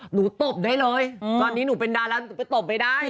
ตบได้เลยตอนนี้หนูเป็นดาราหนูไปตบไม่ได้